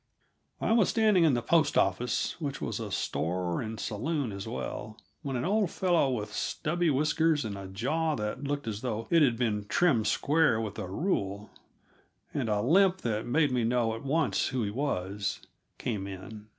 I was standing in the post office, which was a store and saloon as well, when an old fellow with stubby whiskers and a jaw that looked as though it had been trimmed square with a rule, and a limp that made me know at once who he was, came in.